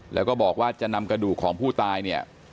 แล้วก็บอกว่าจะนำกระดูกของผู้ตายเนี่ย